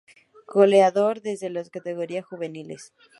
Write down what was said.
Goleador desde las categorías juveniles